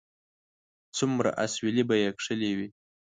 څومره اسويلي به یې کښلي وي